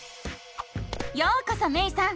ようこそめいさん！